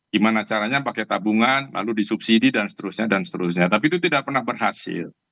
gimana caranya pakai tabungan lalu disubsidi dan seterusnya dan seterusnya tapi itu tidak pernah berhasil